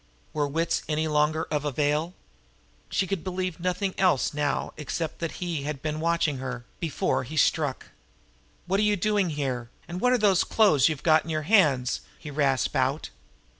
Were wits any longer of avail? She could believe nothing else now except that he had been watching her before he struck. "What are you doing here, and what are those clothes you've got in your hands?" he rasped out.